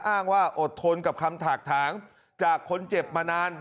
อ้างว่าอดทนกับคำถากถางจากคนเจ็บมานาน